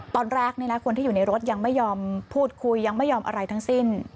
ตอนแรกคนที่อยู่ในรถยังไม่ยอมพูดคุยยังไม่ยอมอะไรทั้งสิ้น